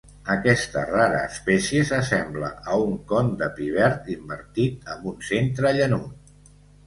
Aquesta rara espècie s'assembla a un con de pi verd invertit amb un centre llanut.